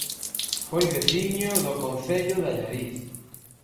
Foi veciño do Concello de Allariz